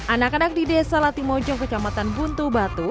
anak anak di desa latimojo kecamatan buntu batu